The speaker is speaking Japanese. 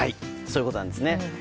そういうことなんです。